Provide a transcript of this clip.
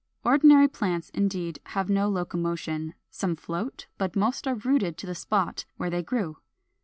Ordinary plants, indeed, have no locomotion; some float, but most are rooted to the spot where they grew.